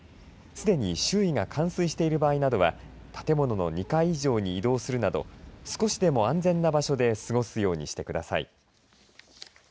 すでに周囲が冠水している場合などは建物の２階以上に移動するなど少しでも安全な場所で過ごすようにしてください。